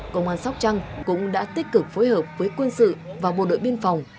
công an sóc trăng cũng đã tích cực phối hợp với quân sự và bộ đội biên phòng